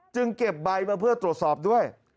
เก็บใบมาเพื่อตรวจสอบด้วย